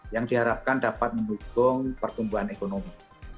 yang diharapkan dapat mendukung pertumbuhan ekonomi